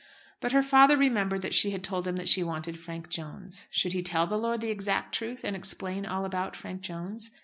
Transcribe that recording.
But her father remembered that she had told him that she wanted Frank Jones. Should he tell the lord the exact truth, and explain all about Frank Jones?